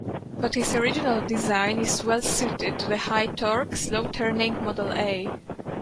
But his original design is well suited to the high torque, slow-turning Model A.